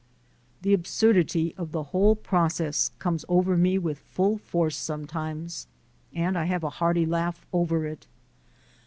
The absurdity of the whole process comes over me with full force sometimes and I have a hearty laugh over it.